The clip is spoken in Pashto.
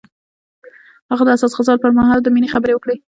هغه د حساس غزل پر مهال د مینې خبرې وکړې.